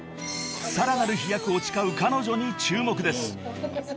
［さらなる飛躍を誓う彼女に注目です］